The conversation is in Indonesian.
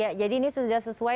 ya jadi ini sudah sesuai